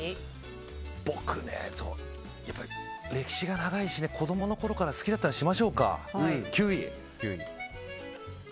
僕ね、やっぱり歴史が長いし子供のころから好きだったのにしましょうか。